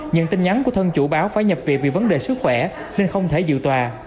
những tin nhắn của thân chủ báo phải nhập viện vì vấn đề sức khỏe nên không thể dự tòa